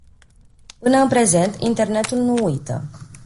Până în prezent, internetul nu uită.